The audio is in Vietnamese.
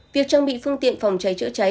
việc trang bị phương tiện phòng cháy chữa cháy